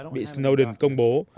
bị snowden công bố